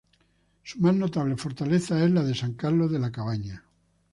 Su más notable fortaleza es la de San Carlos de la Cabaña.